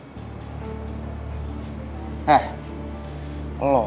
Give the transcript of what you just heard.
lo jangan pernah sebutin nama dia lagi di depan muka gua